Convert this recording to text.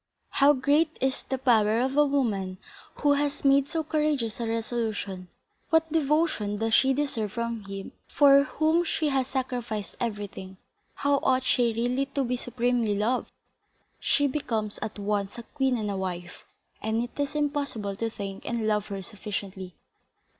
How great is the power of a woman who has made so courageous a resolution! What devotion does she deserve from him for whom she has sacrificed everything! How ought she really to be supremely loved! She becomes at once a queen and a wife, and it is impossible to thank and love her sufficiently.